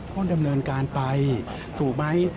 ต้องดำเนินการไปถูกไหม